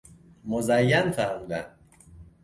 مزین فرمودن